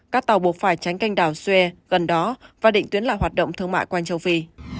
các tàu buộc phải tránh canh đảo sue gần đó và định tuyến lại hoạt động thương mại quanh châu phi